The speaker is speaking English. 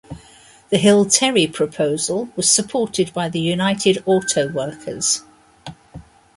The Hill-Terry proposal was supported by the United Auto Workers.